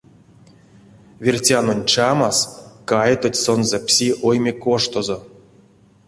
Виртянонь чамас каятотсь сонзэ пси ойме коштозо.